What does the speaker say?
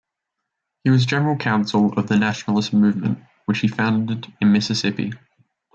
He was general counsel of the Nationalist Movement, which he founded in Mississippi.